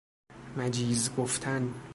مجیز گفتن